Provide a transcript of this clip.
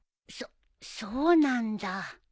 そっそうなんだ。